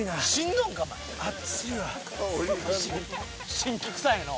辛気くさいのう。